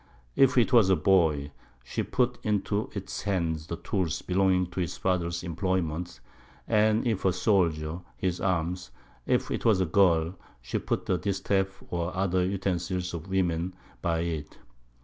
If it was a Boy, she put into its Hand the Tools belonging to its Father's Imployment; and if a Soldier, his Arms. If 'twas a Girl, she put a Distaff or other Utensils of Women by it.